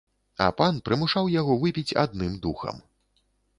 А пан прымушаў яго выпіць адным духам.